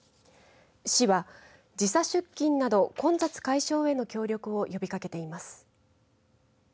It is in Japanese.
市は、時差出勤など混雑解消への協力を呼びかけています。